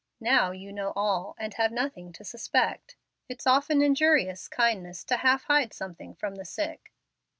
Now you know all, and have nothing to suspect. It's often injurious kindness to half hide something from the sick."